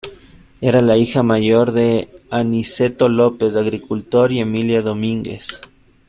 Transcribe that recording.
Era la hija mayor de Aniceto López —agricultor— y Emilia Domínguez.